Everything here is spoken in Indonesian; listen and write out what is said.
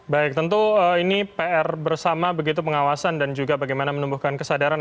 baik tentu ini pr bersama begitu pengawasan dan juga bagaimana menumbuhkan kesadaran